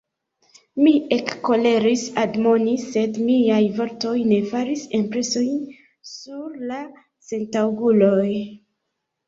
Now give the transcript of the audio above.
Mi ekkoleris, admonis, sed miaj vortoj ne faris impresojn sur la sentaŭguloj.